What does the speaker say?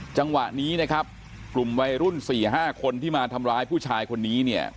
จังหวะนี้นะครับกลุ่มวัยรุ่น๔๕คนที่มาทำร้ายผู้ชายคนนี้เนี่ย